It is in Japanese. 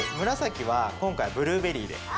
紫は今回ブルーベリーで。